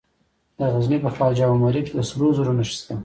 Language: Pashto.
د غزني په خواجه عمري کې د سرو زرو نښې شته.